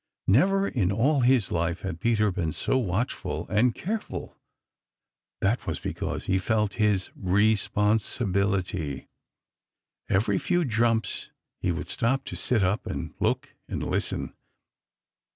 Never in all his life had Peter been so watchful and careful. That was because he felt his re sponsi bil ity. Every few jumps he would stop to sit up and look and listen.